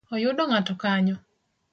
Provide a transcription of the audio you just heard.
Oyudo ng’ato kanyo?